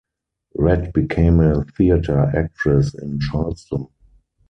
Rhett became a theatre actress in Charleston.